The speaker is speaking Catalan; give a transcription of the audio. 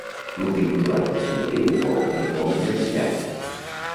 L'últim titular del senyoriu fou el comte de Cirat.